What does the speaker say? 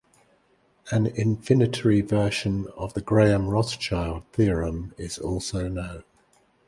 An infinitary version of the Graham–Rothschild theorem is also known.